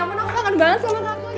aman aku aku ada banget sama kamu